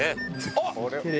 あっ！